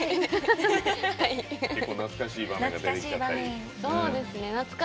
結構、懐かしい場面とか。